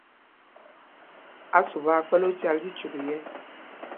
Ásûp aa kpɛ̌l ócāl tí cyûk yɛ̄.